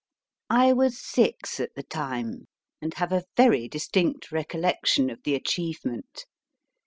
I was six at the time, and have a very distinct recollection of the achievement.